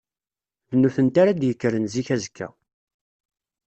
D nutenti ara d-yekkren zik azekka.